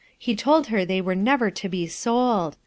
He told her they * cre never to be sold.